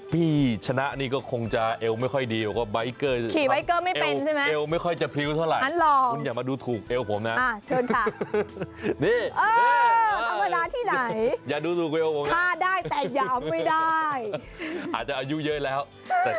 พี่ชนะนี่ก็คงจะเอวไม่ค่อยดีเพราะว่าไบเกอร์